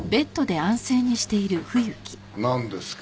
なんですか？